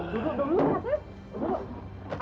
duduk dulu atas